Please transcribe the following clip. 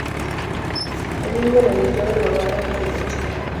Anyinyen amitwogik kab rani ochei